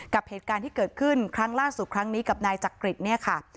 กับเหตุการณ์ที่เกิดขึ้นครั้งล่าสุดครั้งนี้กับนายจักริตเนี่ยค่ะ